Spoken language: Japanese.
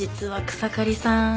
草刈さん？